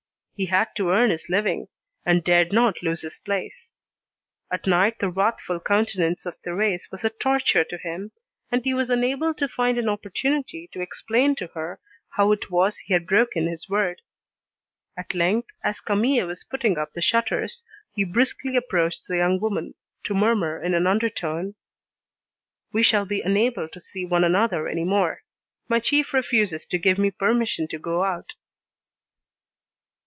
He had to earn his living, and dared not lose his place. At night the wrathful countenance of Thérèse was a torture to him, and he was unable to find an opportunity to explain to her how it was he had broken his word. At length, as Camille was putting up the shutters, he briskly approached the young woman, to murmur in an undertone: "We shall be unable to see one another any more. My chief refuses to give me permission to go out."